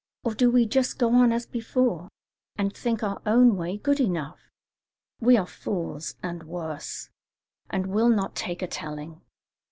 or do we just go on as before, and think our own way good enough? 'We are fools and worse, and will not take a telling.'"